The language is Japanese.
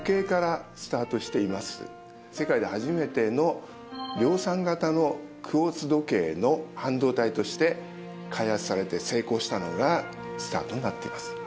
世界で初めての量産型のクオーツ時計の半導体として開発されて成功したのがスタートになっています。